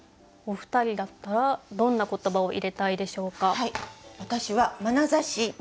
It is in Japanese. お二人だったらどんな言葉を入れたいでしょうか？